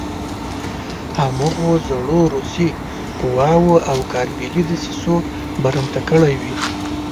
هماغو زړو روسي قواوو او کارملي دسیسو برمته کړی وي.